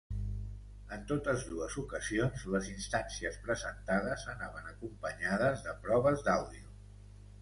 En totes dues ocasions, les instàncies presentades anaven acompanyades de proves d’àudio.